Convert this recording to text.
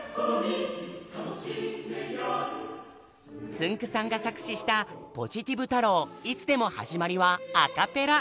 つんくさんが作詞した「ポジティブ太郎いつでも始まり」はアカペラ。